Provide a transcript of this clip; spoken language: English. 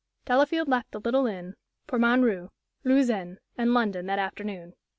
Delafield left the little inn for Montreux, Lausanne, and London that afternoon.